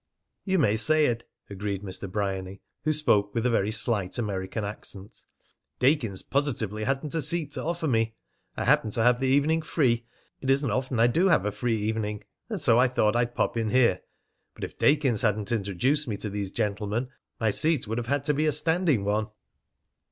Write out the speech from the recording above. "You may say it!" agreed Mr. Bryany, who spoke with a very slight American accent. "Dakins positively hadn't a seat to offer me. I happened to have the evening free. It isn't often I do have a free evening. And so I thought I'd pop in here. But if Dakins hadn't introduced me to these gentlemen, my seat would have had to be a standing one."